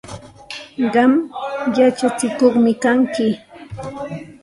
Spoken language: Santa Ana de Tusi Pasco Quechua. Qam yachatsikuqmi kanki.